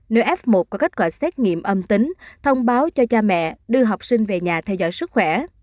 nơi f một có kết quả xét nghiệm âm tính thông báo cho cha mẹ đưa học sinh về nhà theo dõi sức khỏe